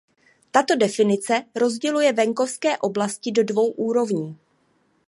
Tato definice rozděluje venkovské oblasti do dvou úrovní.